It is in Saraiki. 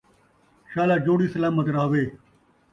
شالا جوڑی سلامت رَہوے